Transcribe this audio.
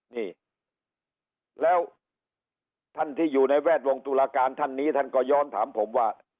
นี่แล้วท่านที่อยู่ในแวดวงตุลาการท่านนี้ท่านก็ย้อนถามผมว่า